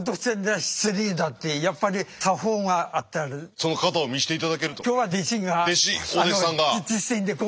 その型を見せて頂けると。